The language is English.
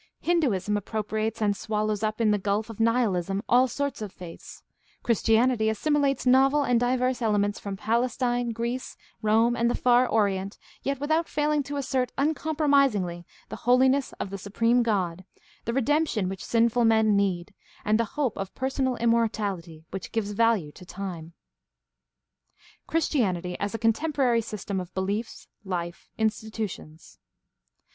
Hinduism appropriates and swallows up in the gulf of nihilism all sorts of faiths; Chris tianity assimilates novel and diverse elements from Palestine, Greece, Rome, and the Far Orient, yet without failing to assert uncompromisingly the holiness of the supreme God, the redemption which sinful men need, and the hope of personal immortality which gives value to time. Christianity as a contemporary system of beliefs, life, institutions.